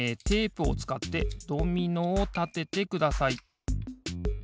テープをつかってドミノをたててください。